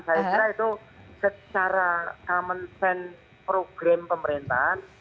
saya kira itu secara common sense program pemerintahan